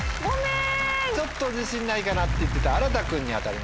ちょっと自信ないかなって言ってたあらた君に当たりました。